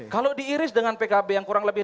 kalau diiris dengan pkb yang kurang lebih